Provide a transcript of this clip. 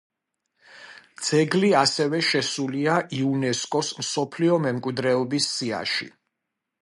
ძეგლი ასევე შესულია იუნესკოს მსოფლიო მემკვიდრეობის სიაში.